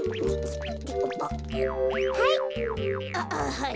はい。